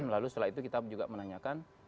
lalu setelah itu kita juga menanyakan